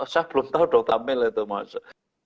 saya belum tahu dokter hamil itu maksudnya